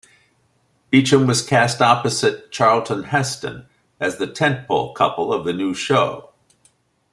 Beacham was cast opposite Charlton Heston as the tent-pole couple of the new show.